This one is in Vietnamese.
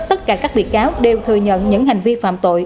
tất cả các bị cáo đều thừa nhận những hành vi phạm tội